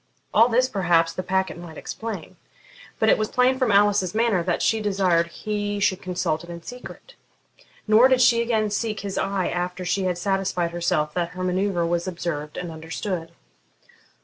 All this perhaps the packet might explain; but it was plain from Alice's manner that she desired he should consult it in secret. Nor did she again seek his eye after she had satisfied herself that her manoeuvre was observed and understood.